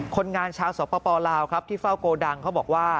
คนงานชาวสปลาวครับที่เฝ้าโกดังเขาบอกว่า